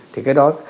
thì cái đó